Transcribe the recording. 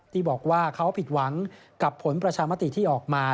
ที่บอกว่าเขาผิดหวังกับผลประชามติที่ออกมา